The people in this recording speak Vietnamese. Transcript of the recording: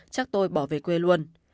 chắc tôi bỏ về quê luôn